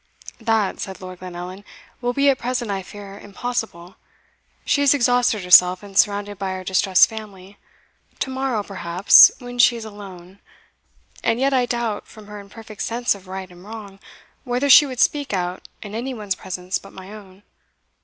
"That," said Lord Glenallan, "will be at present, I fear, impossible. She is exhausted herself, and surrounded by her distressed family. To morrow, perhaps, when she is alone and yet I doubt, from her imperfect sense of right and wrong, whether she would speak out in any one's presence but my own.